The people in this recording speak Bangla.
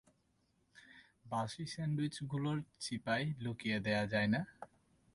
বাসি স্যান্ডউইচ গুলোর চিপায় লুকিয়ে দেয়া যায়না?